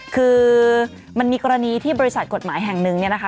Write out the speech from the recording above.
คือมันมีกรณีที่บริษัทกฎหมายแห่งหนึ่งเนี่ยนะคะ